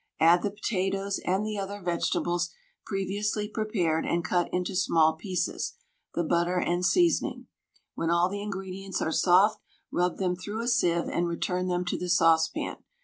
Add the potatoes and the other vegetables, previously prepared and cut into small pieces, the butter and seasoning. When all the ingredients are soft, rub them through a sieve and return them to the saucepan.